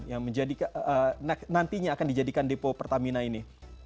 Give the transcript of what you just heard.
yang nantinya akan dijadikan depo pertamina ini